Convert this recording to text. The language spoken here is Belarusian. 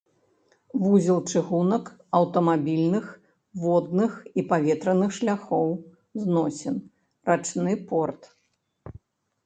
Вузел чыгунак, аўтамабільных, водных і паветраных шляхоў зносін, рачны порт.